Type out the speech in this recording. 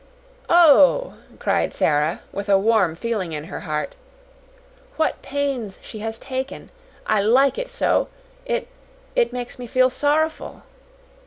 "Oh!" cried Sara, with a warm feeling in her heart. "What pains she has taken! I like it so, it it makes me feel sorrowful."